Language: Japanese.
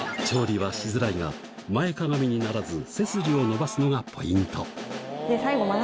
調理はしづらいが前かがみにならず背筋を伸ばすのがポイント最後。